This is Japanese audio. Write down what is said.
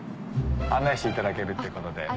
案内していただけるということで。